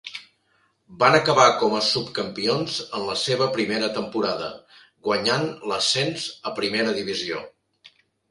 Van acabar com a subcampions en la seva primera temporada, guanyant l'ascens a Primera Divisió.